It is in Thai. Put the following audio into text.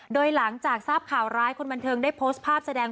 โดยหลังจากทราบข่าวร้ายคนบันเทิงได้โพสต์ภาพแสดง